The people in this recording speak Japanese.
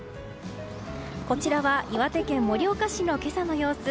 こちらは岩手県盛岡市の今朝の様子。